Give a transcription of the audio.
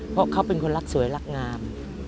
เพราะเขาเป็นคนรักสวยรักงาม